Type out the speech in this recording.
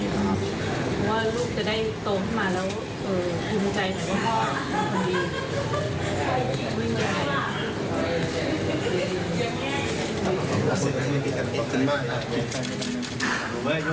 เพราะว่าลูกจะได้โตเข้ามาแล้วอยู่ในใจของคุณคนดี